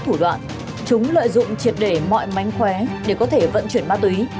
thủ đoạn chúng lợi dụng triệt để mọi mánh khóe để có thể vận chuyển ma túy